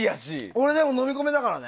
俺はでも、飲み込めたからね。